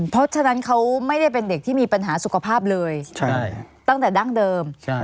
เพราะฉะนั้นเขาไม่ได้เป็นเด็กที่มีปัญหาสุขภาพเลยตั้งแต่ดั้งเดิม